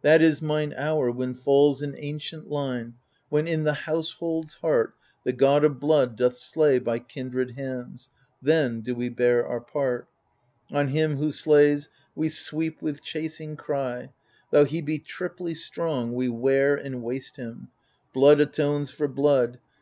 That is mine hour when falls an ancient line — When in the household's heart The God of blood doth slay by kindred hands, — Then do we bear our part : On him who slays we sweep with chasing cry : Though he be triply strong, We wear and waste him ; blood atones for blood.